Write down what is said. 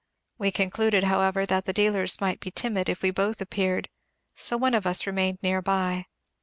We concluded, however, that the dealers might be timid if we both appeared, so one of us remained near by.